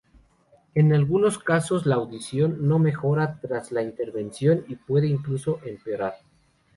En algunos casos la audición no mejora tras la intervención y puede incluso empeorar.